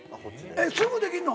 すぐできんの？